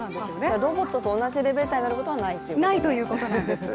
ロボットと同じエレベーターになることはないということですね。